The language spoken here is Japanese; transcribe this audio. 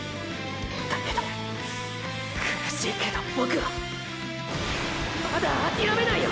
だけど苦しいけどボクはまだあきらめないよ